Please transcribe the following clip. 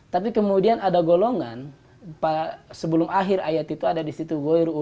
tapi kemudian ada golongan sebelum akhir ayat itu ada di situ